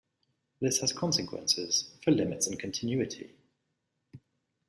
This has consequences for limits and continuity.